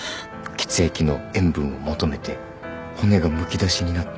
血液の塩分を求めて骨がむき出しになっても。